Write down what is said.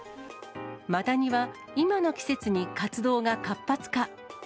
マダニは、今の季節に活動が活発化。